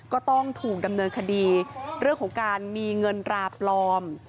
ก็ต้องถูกดำเนินคดีเรื่องของการมีเงินราปลอม